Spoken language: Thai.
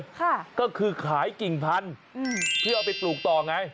ค่ะก็คือขายกิ่งพันธุ์อืมเพื่อเอาไปปลูกต่อไง